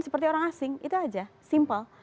seperti orang asing itu aja simple